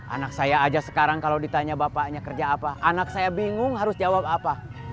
anak saya aja sekarang kalau ditanya bapaknya kerja apa anak saya bingung harus jawab apa